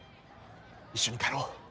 一緒に帰ろう。